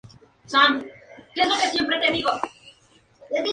Esta magnitud la sitúa como la unidad más poblada del departamento Ayacucho.